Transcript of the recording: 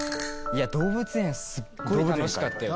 動物園すっごい楽しかったよね。